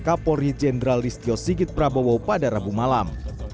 kapolri jenderal listio sigit prabowo pada rabu malam